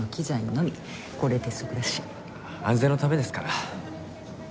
安全のためですから。